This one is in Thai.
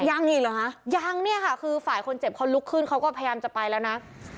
ยังอีกเหรอคะยังเนี่ยค่ะคือฝ่ายคนเจ็บเขาลุกขึ้นเขาก็พยายามจะไปแล้วนะ